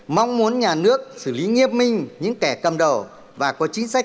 mong muốn nhà nước xử lý nghiêm minh những kẻ cầm đầu và có chính sách